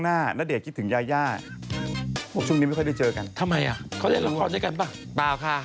อนหรือมันจากปอร์จูเนิร์นอ่ะละ